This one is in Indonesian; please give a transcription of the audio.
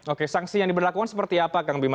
oke sanksi yang diberlakukan seperti apa kang bima